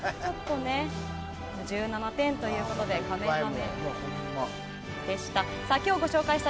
１７点ということでカメハメでした。